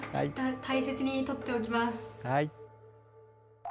大切に取っておきます。